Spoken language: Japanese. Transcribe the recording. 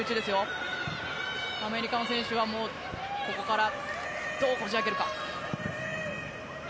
アメリカの選手はここからどうこじ開けるか。